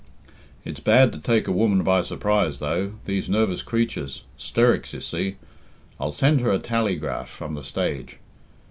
It's bad to take a woman by surprise, though these nervous creatures 'sterics, you see I'll send her a tally graph from the Stage.